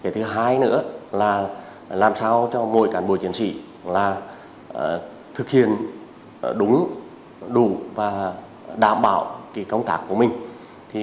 thứ hai nữa là làm sao cho mỗi cán bộ chiến sĩ thực hiện đúng đủ và đảm bảo công tác của mình